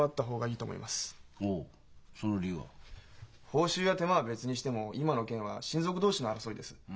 報酬や手間は別にしても今の件は親族同士の争いです。